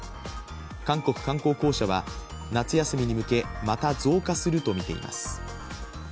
韓国観光公社は夏休みに向けまた増加するとみています。